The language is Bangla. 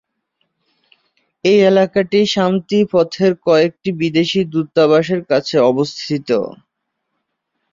এই এলাকাটি শান্তি পথের কয়েকটি বিদেশি দূতাবাসের কাছে অবস্থিত।